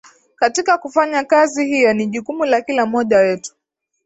Katika kufanya kazi hiyo ni jukumu la kila mmoja wetu